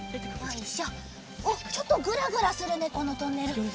おっちょっとぐらぐらするねこのトンネル。